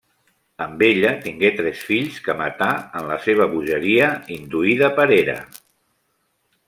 Amb ella tingué tres fills que matà en la seva bogeria induïda per Hera.